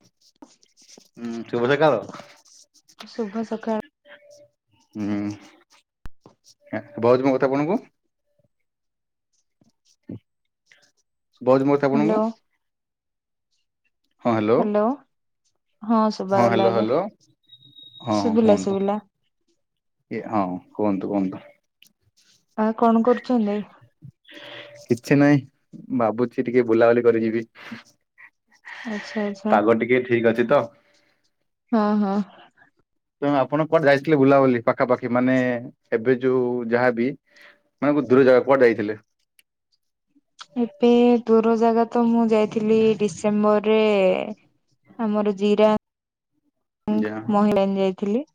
ହୁଁ, [unintelligible] ହୁଁ, ଶୁଭ ସକାଳ ଶୁଭାଯାଉଛି ମୋ କଥା ଆପଣଙ୍କୁ? ଶୁଭାଯାଉଛି ମୋ କଥା ହ୍ୟାଲୋ ଆପଣଙ୍କୁ? ହଁ ହାଲୋ, ହ୍ୟାଲୋ ହଁ ଶୁଭାଗଲା ହାଲୋ ଏବେ ହାଲୋ ହଁ ହଁ ଶୁଭିଲା କୁହନ୍ତୁ। ଶୁଭିଲା ଏ ହଁ କୁହନ୍ତୁ କୁହନ୍ତୁ। ଆ କଣ କରୁଚନ୍ତି? କିଛିନାଇଁ ଭାବୁଚି ଟିକେ ବୁଲାବୁଲି କରିଯିବି। ଆଚ୍ଛା ଆଚ୍ଛା ପାଗ ଟିକେ ଠିକ ଅଛି ତ। ହଁ ହଁ। ତ ମାମ୍ ଆପଣ କୁଆଡେ ଯାଇଥିଲେ ବୁଲାବୁଲି ପାଖାପାଖି ମାନେ ଏବେ ଯୋଉ ଯାହାବି ମାନେ କୋଉ ଦୂର ଯାଗା କୁଆଡେ ଯାଇଥିଲେ? ଏବେ ଦୂର ଜାଗା ତ ମୁଁ ଯାଇଥିଲି ଡିସେମ୍ବରରେ ଆମର ଯା ଜିରା---ମହିଳାଣ ଯାଇଥିଲି।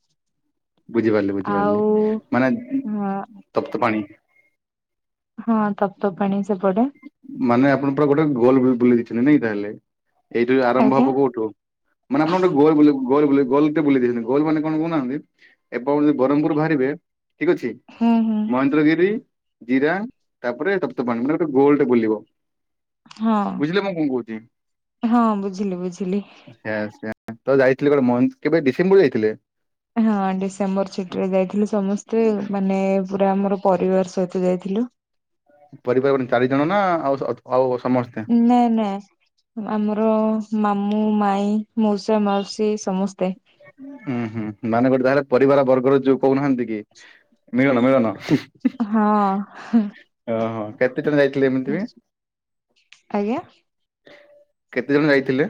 ବୁଝିପାରିଲି ବୁଝିପାରିଲି ଆଉ ମାନେ ହଁ ତପ୍ତପାଣି ହଁ ତପ୍ତପାଣି ସେପଟେ। ମାନେ ଆପଣ ପୁରା ଗୋଟେ ଗୋଲ ବୁ-ବୁଲି ଦେଇଚନ୍ତି ନାଇଁ ତାହେଲେ। ଏଇଠୁ ଆରମ୍ଭ ଆଜ୍ଞା ହବ କୋଉଠୁ? ମାନେ ଆପଣ ଗୋଟ ଗୋଲ ବୁଲେ ଗୋଲ ବୁଲେ ଗୋଲ୍ ଟେ ବୁଲେଇ ଦେଇଚନ୍ତି ଗୋଲ୍ ମାନେ କଣ କହୁନାହାନ୍ତି ଏବେ ଆପଣ୍ ଯଦି ବ୍ରହ୍ମପୁରୁ ବାହାରିବେ ଠିକ୍ ଅଛି ହୁଁ ହୁଁ ମହେନ୍ଦ୍ରଗିରି ଜିରାଙ୍ଗ ତାପରେ ତପ୍ତପାଣି ମାନେ ଗୋଟେ ଗୋଲଟେ ବୁଲିବ। ହଁ ବୁଝିଲେ ମୁଁ କଣ କହୁଛି। ହଁ ବୁଝିଲି ବୁଝିଲି। ସେୟା ସେୟା ତ ଯାଇଥିଲେ ଗୋଟେ ମହେନ୍ଦ୍ କେବେ ଡିସେମ୍ବର ରେ ଯାଇଥିଲେ? ହଁ ଡିସେମ୍ବର ଛୁଠିରେ ଯାଇଥିଲୁ ସମସ୍ତେ ମାନେ ପୁରା ଆମର ପରିବାର ସହିତ ଯାଇଥିଲୁ। ପରିବାର ମାନେ ଚାରି ଜଣ ନା ଆଉ ସ-ଅ ଆଉ ସମସ୍ ନାଇଁ ନାଇଁ। ଅ-ଆମର ମାମୁଁ ମାଇଁ ମଉସା ମାଉସୀ ସମସ୍ତେ। ହୁଁ ହୁଁ ମାନେ ଗୋଟେ ତାହେଲେ ପରିବାର ବର୍ଗର ଯୋଉ କହୁନାହାନ୍ତି କି ମିଳନ ମିଳନ। ହଁ ଓହୋ କେତେ ଜଣ ଯାଇଥିଲେ ଏମିତି ବି? ଆଜ୍ଞା? କେତେ ଜଣ ଯାଇଥିଲେ?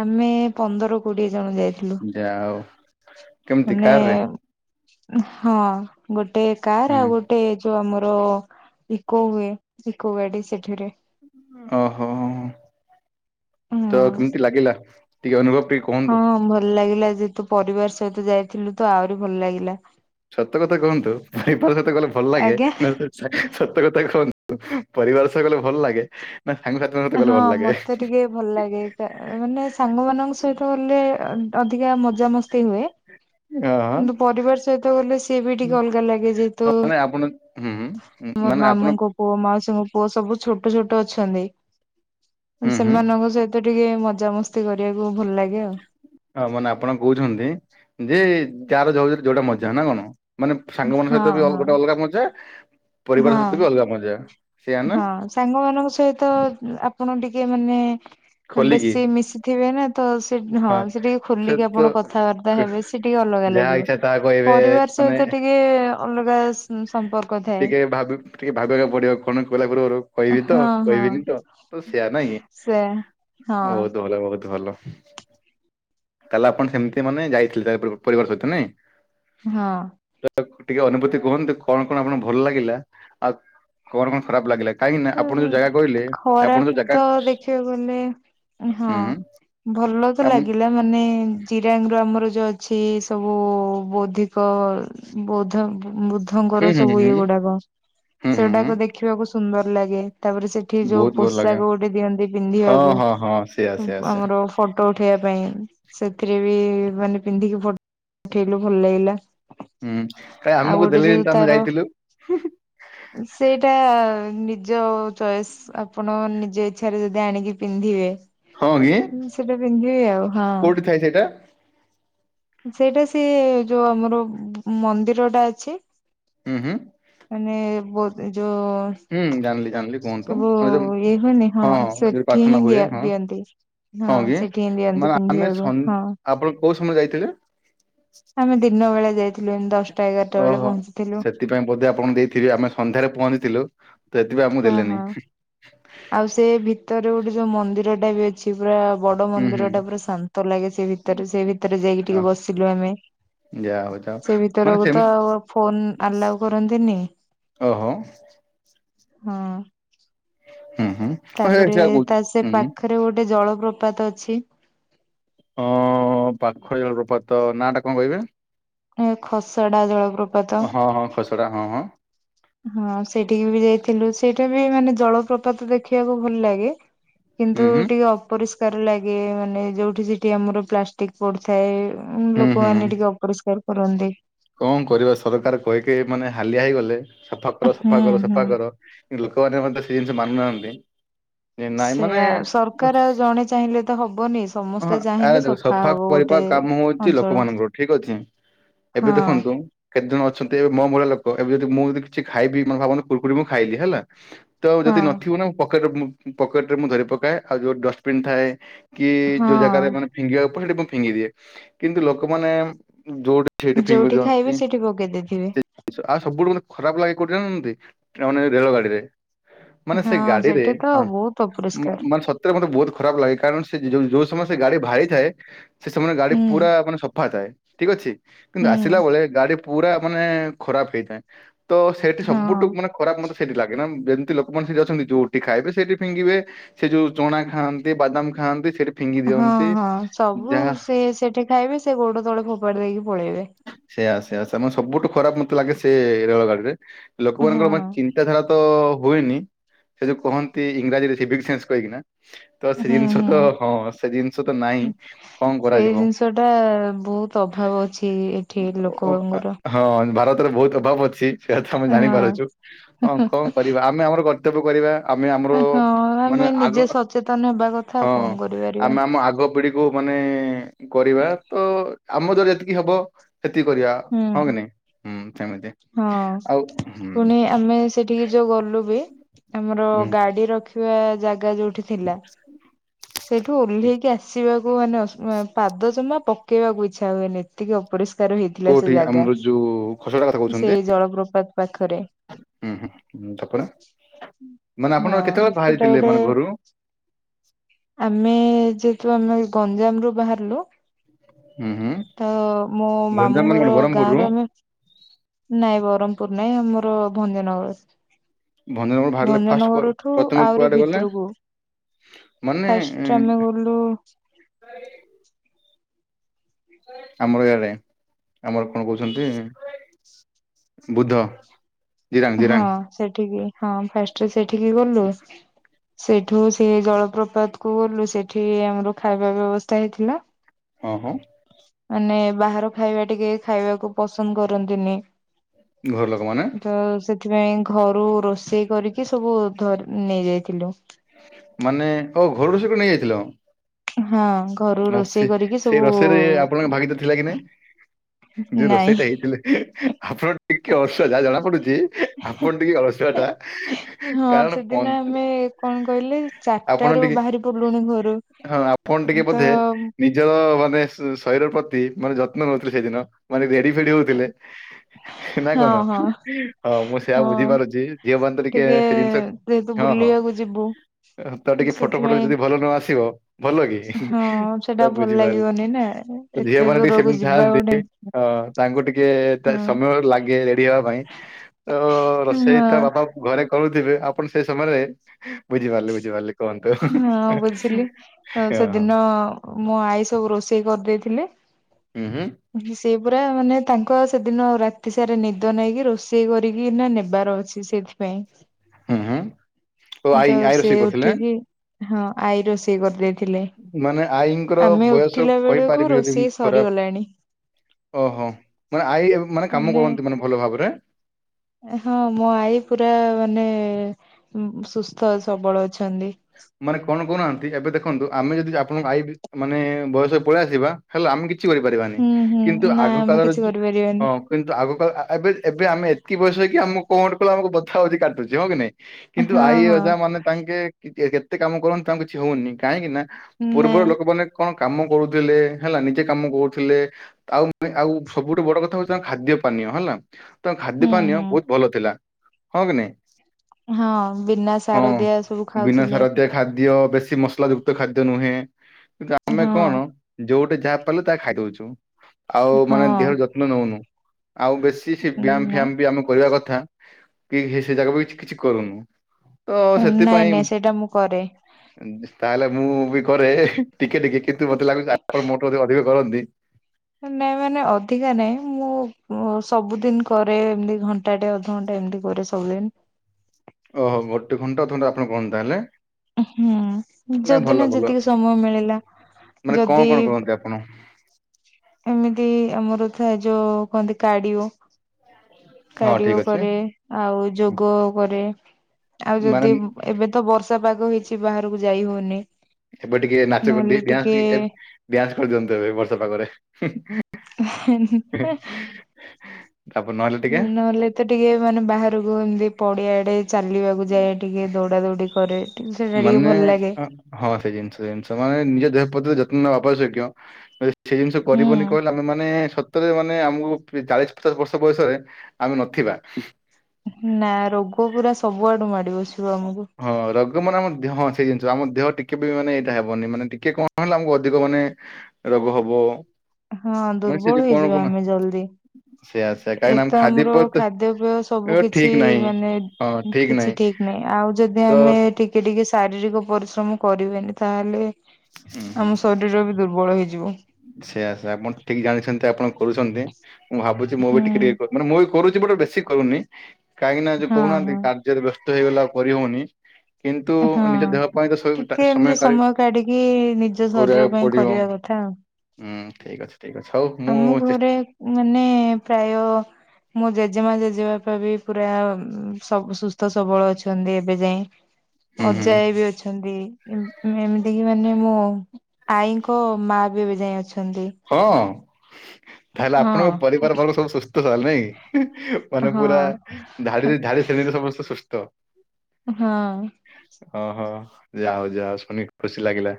ଆମେ ପନ୍ଦର କୋଡିଏ ଜଣ ଯାଇଥିଲୁ। ଯାହା ହଉ କେମିତି ମାନେ କାରରେ ହଁ ଗୋଟେ କାର ହୁଁ ଆଉ ଗୋ ଟେ ଯୋଉ ଆମର ଇକୋ ହୁଏ ଇକୋ ଗାଡି ସେଠିରେ। ଅହୋ ତ ହଁ କେମିତି ଲାଗିଲା ଟିକେ ଅନୁଭବ? ଟିକେ ହଁ କୁହନ୍ତୁ? ଭଲ୍ ଲାଗିଲା ଯେହେତୁ ପରିବାର ସହିତ ଯାଇଥିଲୁ ତୁ ଆହୁରି ଭଲ ଲାଗିଲା। ସତକଥା କୁହନ୍ତୁ ପରିବାର ସହିତ ଗଲେ ଭଲ ଲାଗେ ଆଜ୍ଞା ନା ସ-ସତ କଥା କୁହନ୍ତୁ ପରିବାର ସହ ଗଲେ ଭଲ ଲାଗେ? ନା ସାଙ୍ଗସାଥି ମାନଙ୍କ ସହିତ ହଁ ଗଲେ ଭଲଲାଗେ? ମତେ ଟିକେ ଭଲ ଲାଗେ କା ମାନେ ସାଙ୍ଗ ମାନଙ୍କ ସହିତ ଗଲେ ଅଧିକା ମଜାମସ୍ତି ହୁଏ। ହଁ ହଁ। କିନ୍ତୁ ପରିବାର ସହିତ ଗଲେ ସିଏ ବି ଟିକେ ଅଲଗା ଲାଗେ ଯେହେତୁ ମାନେ ଆପଣ ହୁଁଁ ମୋ ମାମୁଁଙ୍କ ପୁଅ ମାଉସୀଙ୍କ ପୁଅ ସବୁ ଛୋଟ ଛୋଟ ଅଛନ୍ତି। ହୁଁ ଉଁ ହୁଁ ସେମାନଙ୍କ ସହିତ ଟିକେ ମଜାମସ୍ତି କରିବାକୁ ଭଲ ଲାଗେ ଆଉ। ହଁ ମାନେ ଆପଣ କହୁଛନ୍ତି ଯେ ଯାର ଯଉତିରେ ଯୋଉଟା ମଜା ନା କଣ? ମାନେ ସାଙ୍ଗ ମାନଙ୍କ ହଁ ସହିତ ବି ହଁ। ଗୋଟେ ଅଲଗା ମଜା ପରିବାର ସହିତ ବି ହଁ ଅଲଗା ମଜା। ସେଇଆ ନା ହଁ ସାଙ୍ଗ ମାନଙ୍କ ସହିତ ଆପଣ ଟିକେ ମାନେ ଖୋଲିକି ବେଶୀ ମିଶି ଥିବେ ନା ତ ସେ ହଁ ସେ ଟିକେ ଖୋଲିକି ଆପଣ କଥାବାର୍ତ୍ତା କ- ହେବେ ସେ ଟିକେ ଅଲଗା ଯାହା ଲାଗିବ। ଇଚ୍ଛା ତାହା କହିବେ ପରିବାର ମାନେ ସହିତ ଟିକେ ଅଲଗା ସ-ସମ୍ପର୍କ ଥାଏ। ଟିକେ ଭାବି ଟିକେ ଭାବିବାକୁ ପଡିବ କଣ କହିଲା ପୂର୍ବରୁ କହିବି ତ ହଁ ହଁ କହିବିନି ତ ସେଇୟା ନାଇଁ ସେ ହଁ ବହୁତ ଭଲ ବହୁତ ଭଲ ତାହେଲେ ଆପଣ ସେମିତି ମାନେ ଯାଇଥିଲେ ପରିବାର ସହିତ ନେଇଁ ହଁ ତ ଟିକେ ଅନୁଭୂତି କୁହନ୍ତୁ କଣ କଣ ଆପଣଙ୍କୁ ଭଲ ଲାଗିଲା ଆଉ କଣ କଣ ଖରାପ ଲାଗିଲା କାହିଁକି ନା ଆପଣ ଯୋଉ ଜାଗା କହିଲେ ଆପଣ ଯୋଉ ଖରାପ ଜାଗା ତ ଦେଖିବାକୁ ଗଲେ ହଁ ହୁଁ ହୁଁ ଭଲ ତ ଆପଣ ଲାଗିଲା ମାନେ ଚିରାଙ୍ଗ ର ଆମର ଯଉ ଅଛି ସବୁ ବୌଦ୍ଧିକ ବୌଦ୍ଧ ବୁଦ୍ଧ ହୁଁ ଙ୍କର ହୁଁ ସବୁ ହୁଁ ଇଏ ହୁଁ ଗୁଡାକ ସେ ହୁଁ ହୁଁ ଗୁଡ଼ାକ ଦେଖିବାକୁ ସୁନ୍ଦର ଲାଗେ ତାପରେ ସେ ସେଠି ଯୋଉ ବହୁତ ଭଲ ପୋଷାକ ଲାଗେ। ଗୋଟେ ଦିଅନ୍ତି ହଁ ପିନ୍ଧିବାକୁ ହଁ ହଁ ସେଆ ସେଆ ସେଆ ଆମର ଫଟୋ ଉଠେଇବା ପାଇଁ ସେଥିରେ ବି ମାନେ ପିନ୍ଧିକି ଫଟୋ ଉଠେଇଲୁ ଭଲ ଲାଗିଲା ହୁଁ କାଇଁ ଆଉ ଆମକୁ ଗୋଟେ ଦେଲିନି ଯୋଉ ତ ଆମେ ତାର ଯାଇଥିଲୁ ସେଇଟା ନି ନିଜ ଚଏସ୍ ଆପଣ ନିଜ ଇଚ୍ଛାରେ ଯଦି ଆଣିକି ପିନ୍ଧିବେ ହଁ କି ହଁ ସେଟା ପିନ୍ଧିବି ଆଉ ହଁ କୋଉଠି ଥାଏ ସେଇଟା? ସେଇଟା ସେ ଯୋଉ ଆମର ମନ୍ଦିରଟା ଅଛି ହୁଁ ହୁଁ ମାନେ ବତ ଯୋଉ ହୁଁ ଜାଣିଲି ଜାଣିଲି କୁହନ୍ତୁ ସବୁ ମାନେ ଇଏ ହୁଏନି ହଁ ଯୋଉ ସେଠି ହିଁ ପ୍ରାର୍ଥନା ହୁଏ ଦିଆ ହଁ ଦିଅନ୍ତି ହଁ କି ସେଠି ହିଁ ଦିଅନ୍ତି ମାନେ ଆମେ ପିନ୍ଧିବାକୁ ସ ହଁ ଆପଣ କୋଉ ସମୟରେ ଯାଇଥିଲେ ଆମେ ଦିନ ବେଳେ ଯାଇଥିଲୁ ଏମି ଦଶ ଓହୋ ସେଥିପାଇଁ ବୋଧେ ଆପଣଙ୍କୁ ଦେଇଥିବେ ଆମେ ସନ୍ଧ୍ୟାରେ ପହଞ୍ଚିଥିଲୁ ତ ଏଥିପାଇଁ ଆମକୁ ହଁ ହଁ ଦେଲେନି ଆଉ ସେ ଭିତରେ ଗୋଟେ ଯୋଉ ମନ୍ଦିର ଟା ବି ଅଛି ଅଛି ପୁରା ବଡ ହୁଁ ହୁଁ ମନ୍ଦିର ଟା ପୁରା ଶାନ୍ତ ଲାଗେ ସେ ଭିତରେ ସେ ଭିତରେ ଯାଇକି ହଁ ଟିକେ ବସିଲୁ ଆମେ ଯା ହଉ ଯା ହଉ ସେ ମାନେ ଭିତରକୁ ସେମ ତ ଆଉ ଫୋନ ଆଲାଉ କରନ୍ତିନି ଓହୋ ହଁ ହୁଁ ହୁଁ ହଁ ହେ ତାପରେ ସେଇଆ କହୁଛି ତା ସେ ହୁଁ ହୁଁ ପାଖରେ ଗୋଟେ ଜଳପ୍ରପାତ ଅଛି ହଁ ପାଖରେ ଜଳ ପ୍ରପାତ ନା ଟା କଣ କହିବେ ଏ ଖସଡା ଜଳପ୍ରପାତ ସେଟା ହଁ ହଁ ହଁ ସେଇଠିକି ବି ଯାଇଥିଲୁ ସେଇଟା ବି ମାନେ ଜଳପ୍ରପାତ ଦେଖିବାକୁ ଭଲ ଲାଗେ କିନ୍ତୁ ହୁଁ ହୁଁ ଟିକେ ଅପରିଷ୍କାର ଲାଗେ ମାନେ ଯୋଉଠି ସେଠି ଆମର ପ୍ଲାଷ ଟିକ ପଡିଥାଏ ଉ ହୁଁ ଲୋକମାନେ ହୁଁ ଟିକେ ଅପରିଷ୍କାର କରନ୍ତି କଣ କରିବା ସରକାର କହି କହି ମାନେ ହାଲିଆ ହେଇଗଲେ ସଫା କର ହୁଁ ସଫା କର ହୁଁ। ସଫା କର ଲୋକମାନେ ମଧ୍ଯ ସେ ଜିନିଷ ମାନୁନାହାନ୍ତି ଯେ ନାଇଁ ମାନେ ସେୟା ସରକାର ଆଉ ଜଣେ ଚାହିଁଲେ ତ ହବନି ହଁ ସମସ୍ତେ ଆରେ ଚାହିଁଲେ ଦେଖ ସଫା ହବ କରିବା ଗୋଟେ କାମ ହଉଛି ଅଞ୍ଚଳ ଲୋକମାନଙ୍କର ଠିକ ଅଛି ଏବେ ହଁ ଦେଖନ୍ତୁ। କେତେ ଜଣ ଅଛନ୍ତି ଏବେ ମୋ ମୂଳା ଲୋକ ଏବେ ଯଦି ମୁଁ ଯଦି କିଛି ଖାଇବି ମେ ଭାବନି କୁୁରରି ମୁଁ ଖାଇଲି ହେଲା। ତ ହଁ ଯଦି ନଥିବ ନା ମୁ ପକେ ପକେଟ ରେ ମୁଁ ଧରି ପକାଏ ଆଉ ଯୋଉ ଡଷ୍ଟବିନ ଥାଏ। କି ଯୋଉ ହଁ ଜାଗାରେ ମାନେ ଫିଙ୍ଗିବାକୁ ପଡେ ମୁ ସେଠି ଫିଙ୍ଗି ଦିଏ କିନ୍ତୁ ଲୋକମାନେ ଯୋଉଠି ସେଇଠି ଫିଙ୍ଗି ଯୋଉଠି ଖାଇବେ ଦିଅନ୍ତି ସେଇଠି ପକେଇ ଦେଇଥିବେ। ଆଉ ସବୁଠୁ ମାନେ ଖରାପ ଲାଗେ କୋଉଠି ଜାଣନ୍ତି ମାନେ ରେଳ ଗାଡି ରେ। ମାନେ ସେ ହଁ ଗାଡିରେ ସେଠି ତ ହଁ ବହୁତ ଅପରିଷ୍କାର ମାନେ ସତ ସତରେ ମୋତେ ବହୁତ ଖରାପ ଲାଗେ କାରଣ ସେ ଯ ଯୋଉ ଯୋଉ ସମୟରେ ସେ ଗାଡି ବାହାରି ଥାଏ। ସେ ସମୟରେ ଗାଡି ହୁଁ ପୁରା ମାନେ ସଫା ଥାଏ ଠିକ ଅଛି କିନ୍ତୁ ହୁଁ ଆସିଲା ବେଳେ ଗାଡି। ପୁରା ମାନେ ଖରାପ ହେଇଥାଏ ତ ସେଠି ହଁ। ସବୁଠୁ ମାନେ। ଖରାପ ମତେ ସେଇଠି ଲାଗେ ନା ଯେମିତି ଲୋକମାନେ ସେଠି ଅଛନ୍ତି ଯୋଉଠି ଖାଇବେ ସେଇଠି ଫିଙ୍ଗିବେ। ସେ ଯୋଉ ଚଣା ଖାଆନ୍ତି ବାଦାମ ଖାଆନ୍ତି ସେଠି। ଫିଙ୍ଗି ହଁ ଦିଅନ୍ତି ହଁ ସବୁ ଯାହା ସେ ସେଠି ଖାଇବେ ସେ ଗୋଡ ତଳେ ଫୋପାଡି ଦେଇକି ପଳେଇବେ। ସେଇଆ ସେଇଆ ସେ ମ ସବୁଠୁ ଖରାପ ମତେ ଲାଗେ ସେ ରେଳଗାଡିରେ ହଁ ଲୋକମାନଙ୍କର ମାନେ ଚି ତା ଧାରା ତ ହୁଏନି ସେ ଯୋଉ କହନ୍ତି ଇଂରାଜୀରେ ସିଭିକ୍ସ ସେନ୍ସ କହିକି ନା। ତ ସେ ହୁଁ ଜିନିଷ ହୁଁ ତ ହଁ ସେ ଜିନିଷ ତ ନାହିଁ କଣ କରାଯିବ। ସେଟା ବହୁତ ଅଭାବ ଅଛି ଏଠି ଓ, ଆ- ଲୋକଙ୍କର। ହଁ ଭାରତରେ ବହୁତ ଅଭାବ ଅଛି ସେୟା ତ ଆମେ ହଁ ଜାଣିପାରୁଛୁ ହଁ କଣ କରିବା। ଆମେ ଆମର କର୍ତ୍ତବ୍ୟ କରିବା। ଆମେ ଆମର ହଁ ମାନେ ଆମେ ଆଗ ନିଜେ ସଚେତନ ହେବା କଥା ଆଉ ହଁ କଣ କରିପାରିବା। ଆମେ ଆମ ଆଗ ପିଢି। ଓ ମାନେ କରିବା ତ ଆମ ଦ୍ୱାରା ଯେତିକି ହବ। କ୍ଷତି କରିବା ହୁଁ ହଁ କି ନାହିଁ? ହଁ ହୁଁ ହୁଁ। ପୁଣି ଆମେ ସେଠିକି ଯୋଉ ଗଲୁ ବି। ଆମର ହୁଁ। ଗାଡି ରଖିବା ଜାଗା ଯୋଉଠି ଥିଲା। ସେଇଠୁ ଓଲ୍ହେଇକି ଆସିବାକୁ ମାନେ ଅସ ମା ପାଦ ଜମା ପକେଇବାକୁ ଇଚ୍ଛା ହୁଏନି ଏତିକି ଅପରିଷ କାର ହେଇଥିଲା ସେ କୋଉଠି ଜାଗା ଆମର ଯୋଉ ଖସଡା କଥା କହୁଛନ୍ତି ସେଇ ଜଳପ୍ରପାତ ପାଖରେ। ହୁଁ ହୁଁ ହୁଁ, ତାପରେ ମାନେ ଆପଣ ହଁ କେତେବେଳେ ସେଟା ବାହାରିଥିଲେ ଗୋଟେ। ମାନେ ଘରୁ ଆମେ ଯେହେତୁ ଆମେ ଗଞ୍ଜାମରୁୁ ବାହାରିଲୁ। ହୁଁ ହୁଁ ତ ମୋ ଗଞ୍ଜାମ ମାମୁଁ ମାନେ କଣ ଘର ବ୍ରହ୍ମପୁରରୁ? ଗାଁରୁ ଆମେ। ନାଇଁ ବ୍ରହ୍ମପୁର ନାଇଁ ଆମର ଭଞ୍ଜନଗର। ଭଞ୍ଜନଗର ବାହାରିଲେ ଫାଷ୍ଟ କୁଆ ଭଞ୍ଜନଗରଠୁ ପ୍ରଥମେ ଆହୁରି କୁଆଡେ ଗଲେ ଭିତରକୁ। ମାନେ ଫାର୍ଷ୍ଟ ଆମେ ଗଲୁ। [unintelligible] ଆମର ଇଆଡ଼େ ଆମର କଣ କହୁଛନ୍ତି ବୁଦ୍ଧ। ଜିରାଙ୍ଗ ହଁ ଜିରାଙ୍ଗ ସେଠିକି ହଁ ଫାର୍ଷ୍ଟ ସେଠିକି ଗଲୁ। ସେଇଠୁ ସେ ଜଳପ୍ରପାତକୁ ଗଲୁ ସେଠି ଆମର ଖାଇବା ବ୍ୟବସ୍ଥା ହେଇଥିଲା। ହଁ ହଁ। ମାନେ ବାହାର ଖାଇବା ଟିକେ ଖାଇବାକୁ ପସନ୍ଦ କରନ୍ତିନି। ଘର ଲୋକମାନେ ତ ସେଥିପାଇଁ ଘରୁ ରୋଷେଇ କରିକି ସବୁ ଧର ଉଁ ନେଇ ଯାଇଥିଲୁ। ମାନେ ଓ ଘରୁ ରୋଷେଇ କରି ନେଇ ଯାଇଥିଲ? ହଁ। ଘରୁ ଆଉ ରୋଷେଇ ସେ କରିକି ସେଇ ସବୁ ରୋଷେଇରେ ଆପଣଙ୍କ ଭାଗିଦା ଥିଲା କି ନାଇ? ଯୋଉ ନାଇଁ। ରୋଷେଇଟା ହେଇଥିଲା ଆପଣ। ଟିକେ [unintelligible] ଯାହା ଜଣା ପଡୁଛି ଆପଣ ଟିକେ ହସିବା ଟା ହଁ କାରଣ କ ସେଦିନ ଆମେ କଣ କହିଲେ ଚାରିଟାରୁ ବାହାରି ପଡିଲୁଣି ଘରୁ। ହଁ ଆପଣ ଟିକେ ତ ବୋଧେ। ନିଜର ମାନେ ଶ-ଶରୀର ପ୍ରତି ମାନେ ଯତ୍ନ ନଉଥିଲେ ସେଦିନ ମାନେ ରେଡି ଫେଡି ହଉଥିଲେ। ନା ହଁ କଣ? ହଁ। ହଁ ମୁଁ ସେୟା ହଁ ବୁଝିପାରୁଛି ଝିଅ ମାନେ ତ ଟିକେ ସେ ଜିନିଷ ଯେହେତୁ ହଁ ହଁ। ବୁଲିବାକୁ ଯିବୁ। ଅ ତ ଟିକେ ଫଟୋ ଫଟୋ ସେଥିପାଇଁ ଯଦି ଭଲ ନ ଆସିବ ଭଲ କି। ହଁ ତ ସେଟା ଭଲ ବୁଝିପାରିଲି ଲାଗିବନି ନା ଝିଅ ଏତେ ମାନେ ଟିକେ ଦୂରକୁ ସେମିତି ଯିବା ଥାଆନ୍ତି ଗୋଟେ। ହଁ। ତାଙ୍କୁ ଟିକେ ତ ହଁ ସମୟ ଲାଗେ ରେଡି ହେବା ପାଇଁ ତ ରୋଷେଇ ହଁ ତ ବାପା ଘରେ କରୁଥିବେ ଆପଣ ସେ ସମୟରେ ବୁଝିପାରିଲେ ବୁଝିପାରିଲେ। ହଁ ବୁଝିଲି ତ ହଁ ହଁ ସେଦିନ ମୋ ଆଈ ସବୁ ରୋଷେଇ କରିଦେଇଥିଲେ ଉଁ ହୁଁ। ସେଏ ପୁରା ମାନେ ତାଙ୍କ ସେଦିନ ରାତି ସାରା ନିଦ ନେଇକି ରୋଷେଇ କରିକି ନା ନେବାର ଅଛି। ହୁଁ ହୁଁ ଓ ସେଇଥିପାଇଁ ଆଈ ତ ଆଈ ସେ ରୋଷେଇ କରୁଥିଲେ ଉଠିକି ହଁ ଆଈ ରୋଷେଇ କରିଦେ ମାନେ ଆଈଙ୍କର ବୟସ ଉଠିଲା ବେଳକୁ କହିପାରିବି ଯଦି ମୁଁ ରୋଷେଇ ଖରାପ। ସରିଗଲାଣି ଓହୋ ମାନେ ଆଈ ମାନେ କାମ କରନ୍ତି ମାନେ ଭଲ ଭାବରେ। ହଁ ମୋ ଆଈ ପୁରା ମାନେ ସୁସ୍ଥ ସବଳ ଅଛନ୍ତି। ମାନେ କଣ କହୁନାହାନ୍ତି ଏବେ ଦେଖନ୍ତୁ ଆମେ ଯଦି ଆପଣଙ୍କ ଆଇ ମାନେ ବୟସ ପଳେଇ ଆସିବା ହେଲା ଆମେ କି କିଛି କରିପାରିବାନି ହୁଁ ହୁଁ କିନ୍ତୁ ନା ଆଗ ଆମେ କାଳର କିଛି ଯ ଅ କରିପାରିବାନି କିନ୍ତୁ ଆଗ କାଳର ଆ ଆ ଏବେ ଏବେ ଆମେ ଏତିକି ବୟସ ହେଇକି ଆମ କଣ ଟେ ଆମ ବଥା ବଧି କାଟୁଛି ହଁ କି ନାଇଁ। କିନ୍ତୁ ହଁ ଆଇ ହଁ ଅଜା ମାନେ ତାଙ୍କେ କେତେ କାମ କରନ୍ତୁ ତାଙ୍କୁ କିଛି ହଉନି କାହିଁକି ନା ନା ପୂର୍ବରୁ ଲୋକମାନେ କଣ କାମ କରୁଥିଲେ ହେଲା ନିଜେ କାମ କରୁଥିଲେ ଆଉ ଆଉ ସବୁଠୁ ବଡ କଥା ହଉଚି ତାଙ୍କ ଖାଦ୍ୟ ପାନୀୟ ହେଲା। ତ ଖାଦ୍ୟ ହୁଁ ପାନୀୟ ହୁଁ ବୋହୁତ ଭଲ ଥିଲା ହଁ କି ନାଇଁ। ହଁ ବିନା ସାରଦିଆ ସବୁ ଖାଉଥିଲେ। [unintelligible] ଖାଦ୍ୟ ଖାଦ୍ୟ ବେଶୀ ମସଲା ଯୁକ୍ତ ଖାଦ୍ୟ ନୁହେଁ କିନ୍ତୁ ଆମେ ହଁ କଣ ଯୋଉଟେ ଯାହା ପାରିଲେ ତାହା ଖାଇଦଉଚୁ। ଆଉ ମାନେ ଦେହର ହଁ ଯତ୍ନ ନଉନୁ ଆଉ ବେଶୀ ସେ ବ୍ୟାୟାମ ନା ଫ୍ୟାାମ ବି ଆମେ କରିବା କଥା କି ହି ସେ ଜାଗା ବି କିଛି କିଛି କରୁନି ତ ସେଥିପାଇଁ ଇଟା ମୁଁ କରେ। ତାହେଲେ ମୁଁ ବି କରେ ଟିକେ ଟିକେ କିନ୍ତୁ ମତେ ଲାଗୁଛି ଆପଣ ମୋଟ ଅଧିକ କରନ୍ତି। ନାଇଁ ମାନେ ଅଧିକା ନାଇଁ ମୁଁ ସବୁଦିନ କରେ ଏମତି ଘଅ ଣ୍ଟା ଟେ ଅଧଘଣ୍ଟେ ଏମିତି କରେ ସବୁଦିନ୍। ଓହୋ ଗୋଟେ ଘଣ୍ଟା ଥଣ୍ଡା ଆପଣ କୁହନ୍ତା ହେଲେ ହୁଁ ଯୋଉଦିନ ଯେତିକି ସମୟ ମିଳିଲା। ମାନେ ଯଦି କଣ କଣ କରନ୍ତି ଆପଣ। ଏମିତି ଆମର ଥାଏ ଯୋଉ କୁହନ୍ତି କାଡିଓ ହଁ କାଡିଓ ଠିକ ଅଛି କରେ ଆଉ ଯୋଗ କରେ ଆଉ ମାନେ ଯଦି ଏବେ ତ ବର୍ଷା ପାଗ ହେଇଛି ବାହାରକୁ ଯାଇ ହଉନି ଏବେ ଟିକେ ନାଚ ନହେଲେ କରିଦେଇ ଟିକେ ଡାନ୍ସ ଏ ଡ୍ୟାନ୍ସ କରିଦିଅନ୍ତୁ ଏବେ ବର୍ଷା ପାଗରେ। [unintelligible] ତାପ ନହେଲେ ଟିକେ ହୁ ନହେଲେ ତ ଟିକେ ମାନେ ବାହାରକୁ ଏମିତି ପଡିଆଡେ ଚାଲି ଲିବାକୁ ଯାଏ ଟିକେ ଦୌଡା ଦୌଡି କରେକ ସେଇଟା ଟିକେ ମାନେ ଭଲ ଲାଗେ। ଅ ହଁ ସେ ଜିନିଷ ସେ ଜିନିଷ ମାନେ ନିଜ ଦେହ ପତିରେ ଯତ୍ନ ନେବା ଆବଶ୍ୟକିୟ ଯ ସେଇ ଜିନିଷ ହୁଁ କରିବନି କହିଲେ ଆମେ ମାନେ ସତ ତ ରେ ମାନେ ଆମକୁ ଚାଳିଶି ପଚାଶ ବର୍ଷ ବୟସରେ ଆମେ ନଥିବା। ନା ରୋଗ ପୁରା ସବୁଆଡୁ ମାଡି ବସିବ ଆମକୁ। ହଁ ରକ୍ ମାନେ ଆମ ହଁ ସେଇ ଜିନିଷ ଆମ ଦେହ ଟିକେ ବି ମାନେ ଏଇଟା ହେବନି ମାନେ ଟିକେ କଣ ହେଲେ ଆମକୁ ଅଧିକ ମାନେ ରୋଗ ହବ। ହଁ ମାନେ ସେ ଯୋଉ ଦୁର୍ବଳ କଣ ହେଇଯିବା କହୁନା ଆମେ ଜଲଦି। ସେୟା ସେୟା ଏ କାହିଁକି ନା ଆମ ତ ଆମର ଖାଦ୍ୟପେୟ ଖାଦ୍ୟପେୟ ସବୁ ଠିକ କିଛି ନାହିଁ। ମାନେ। ହଁ ଠିକ କିଛି ନାହିଁ ଠିକି ନାଇଁ ଆଉ ଯଦି ତ ଆମେ ଟିକ୍ ଟିକେ ଟିକେ ଶାରୀରିକ ପରିଶ୍ରମ କରିବେନି ତାହେଲେ ଆମ ଶରୀ ର ବି ଦୁର୍ବଳ ହେଇଯିବ। ସେଇଆ ସେଇଆ ଆପଣ ଠିକି ଜାଣିଛନ୍ତି ଆପଣ କରୁଛନ୍ତି ମୁଁ ଭାବୁଛି ମୁଁ ବି ହୁଁ ଟିକେ ଟିକେ କ ମାନେ ମୁଁ ବି କରୁଛି ବଟ ବେଶୀ କରୁନି କାହିଁକିନା ଯୋଉ ହଁ କହୁନାହାନ୍ତି ହଁ କାର୍ଯ୍ୟରେ ବ୍ୟସ୍ତ ହେଇଗଲା ଆଉ କରିହଉନି। କିନ୍ତୁ ହଁ ନିଜ ଦେହ ପାଇଁ ତ ସ- ଟିକେ ଏମିତି କାଢି ସମୟ କାଢିକି ନିଜ ଶରୀର କରିବାକୁ ପାଇଁ ପଡିବ। କରିବା କରିବା କ ଥା ଆଉ। ହୁଁ ଠିକିଅଛି ଠିକିଅଛି ହଉ ମୁଁ ଆମ ଚେସ ଘରେ ମାନେ ପ୍ରାୟ। ମୋ ଜେଜେମା ଜେଜେବାପା ବି ପୁରା ଉଁ ସବ୍ ସୁସ୍ଥ ସବଳ ଅଛନ୍ତି ଏବେ ଯାଏଁ। ହୁଁ ହୁଁ ଅଜା ଆଇ ବି ଅଛନ୍ତି। ମୁଁ ଏମିତିକିି ମାନେ ମୋ ଆଈଙ୍କ ମା ବି ଏବେ ଯାଏଁ ଅଛନ୍ତି। ହଁ। ତାହେଲେ ହଁ ଆପଣଙ୍କ ପରିବାର ବାଲା ସବୁ ସୁସ୍ଥସବଳ ନାହିଁକି ହଁ ମାନେ ପୁରା। ହଁ ଧାଡ଼ି ରେ ଧାଡି ଶେଣୀରେ ସମସ୍ତେ ସୁସ୍ଥ। ହଁ। ଓ ହ ହ ଯା ହଉ ଯା ହଉ ଶୁଣିକି ଖୁସି ଲାଗିଲା।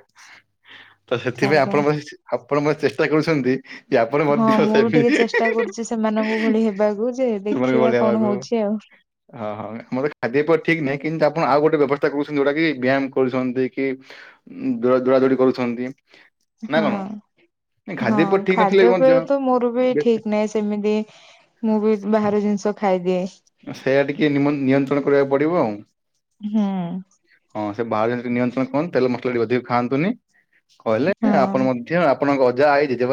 ତ ସେଥିପାଇଁ ଆଜ୍ଞା। ଆପଣ ବସି ଆପଣ ବୋଧେ ଚେଷ୍ଟା କରୁଛନ୍ତି ଯେ ଆପ ହଁ ମୁଁ ବି ଟିକେ ଚେଷ୍ଟା କରୁଚି ସେମାନଙ୍କ ଭଳି ହେବାକୁ ଯେ ସେମାନଙ୍କ ଦେଖିବା ଭଳି କଣ ହବାକୁ। ହଉଚି ଆଉ। ହଁ ହଁ ଆମର ଖାଦ୍ୟପେୟ ଠିକ୍ ନାହିଁ କିନ୍ତୁ ଆପଣ ଆଉ ଗୋଟେ ବ୍ୟବସ୍ଥା କହୁଛନ୍ତି ଯୋଉଟା କି ବ୍ୟାୟାମ କରୁଛନ୍ତି କି। ଉଁ ଦୋଉ ଦୋଉଡା ଦୋଉଡି କରୁଛନ୍ତି। ନା ହଁ। କଣ ନାଇଁ, ହଁ ଖାଦ୍ୟପେୟ ଠିକ ନଥିଲେ ବି ମଧ୍ୟ ଖାଦ୍ୟପେୟତ ମୋର ବି ବେ- ଠିକି ନାହିଁ ସେମିତି। ମୁଁ ବି ବାହାର ଜିନିଷ ଖାଇଦିଏ। ସେଇୟା ଟିକେ ନିମ ନିୟନ୍ତ୍ରଣ କରିବାକୁ ପଡ଼ିବ ଆଉ। ହୁଁ ହଁ ସେ ବାହାର ଜନିଷ ଟିକେ ନିୟନ୍ତ୍ରଣ କରନ୍ତୁ ତେଲ ମସଲା ଟିକ ଅଧିକ ଖାଆନ୍ତୁନି କହେଲେ ହଁ। ଆପଣ ମ ଧ୍ୟ ଆପଣଙ୍କ ଅଜା ଆଇ ଜେଜେବା